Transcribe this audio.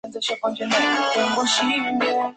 经过苏拉特等城市。